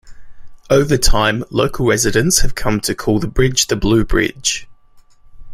Over time, local residents have come to call the bridge the Blue Bridge.